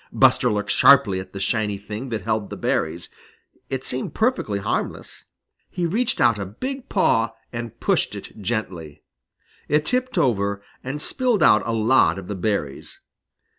Buster looked sharply at the shiny thing that held the berries. It seemed perfectly harmless. He reached out a big paw and pushed it gently. It tipped over and spilled out a lot of the berries.